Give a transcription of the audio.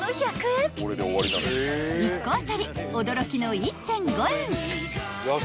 ［１個当たり驚きの１．５円］